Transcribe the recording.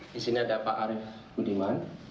di sini ada pak arief budiman